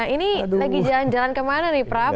ini lagi jalan jalan kemana nih prap